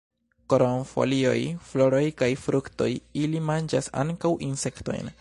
Krom folioj, floroj kaj fruktoj, ili manĝas ankaŭ insektojn.